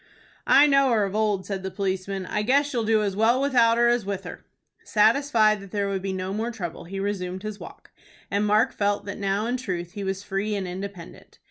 "I know her of old," said the policeman. "I guess you'll do as well without her as with her." Satisfied that there would be no more trouble, he resumed his walk, and Mark felt that now in truth he was free and independent.